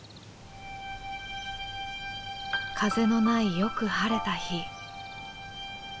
風のないよく晴れた日。